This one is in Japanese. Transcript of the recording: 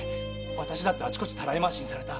私だってあちこちたらい回しにされた。